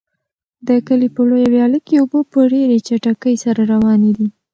د کلي په لویه ویاله کې اوبه په ډېرې چټکۍ سره روانې دي.